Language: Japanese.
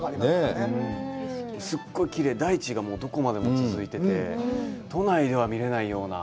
すごいきれいで、大地がどこまでも続いてて、都内では見れないような。